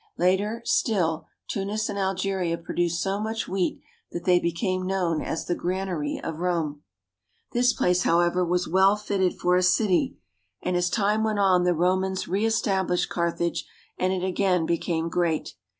Later ^^B still Tunis and Algeria produced so much wheat that they ^^H became known as the granary of Rome. ildtngs have all disappeared." This place, however, was well fittod for a city, and as time went on the Romans reestablished Carthage and it again became great.